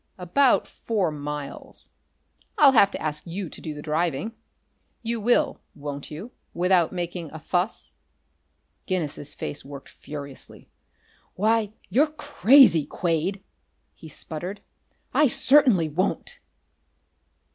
About four miles. I'll have to ask you to do the driving. You will, won't you without making a fuss?" Guinness's face worked furiously. "Why, you're crazy, Quade!" he sputtered. "I certainly won't!"